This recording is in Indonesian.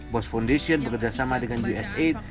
boss foundation bekerjasama dengan usaid